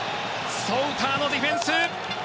ソウターのディンフェス。